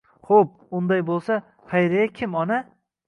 Xo'p, unday bo'lsa, Xayriya kim, ona?